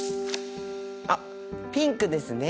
あっピンクですね。